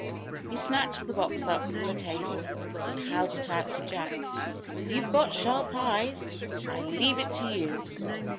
He snatched the box up from the table, and held it out to Jack. "You've got sharp eyes. I leave it to you.